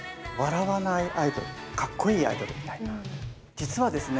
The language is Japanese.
実はですね